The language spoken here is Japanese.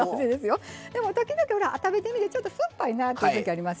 でも時々食べてみてちょっと酸っぱいなって時あります。